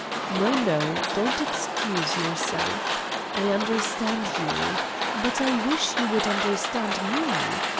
No, no, don't excuse yourself. I understand you. But I wish you would understand me.